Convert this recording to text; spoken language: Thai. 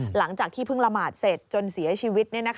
หลังจากที่เพิ่งละหมาดเสร็จจนเสียชีวิต